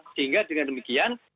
sehingga dengan demikian